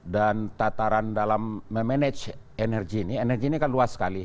dan tataran dalam memanage energi ini energi ini kan luas sekali